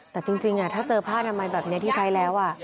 แต่จริงถ้าเจอผ้านามัยแบบนี้ที่ใช้แล้ว